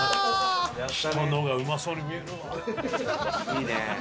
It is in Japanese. いいね。